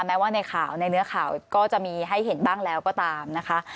แม้ว่าในข่าวในเนื้อข่าวก็จะมีให้เห็นบ้างแล้วก็ตามนะคะ